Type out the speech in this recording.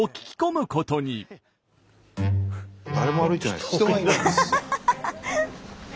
誰も歩いてない。